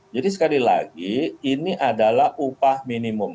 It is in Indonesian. jadi sekali lagi ini adalah upah minimum